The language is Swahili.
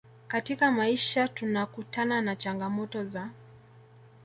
katika maisha tunakutana na changamoto za